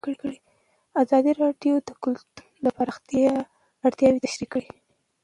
ازادي راډیو د کلتور د پراختیا اړتیاوې تشریح کړي.